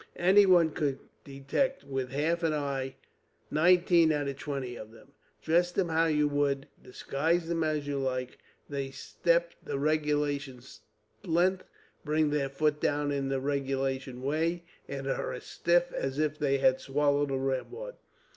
Anyone could detect, with half an eye, nineteen out of twenty of them; dress them how you would, disguise them as you like. They step the regulation length, bring their foot down in the regulation way, are as stiff as if they had swallowed a ramrod.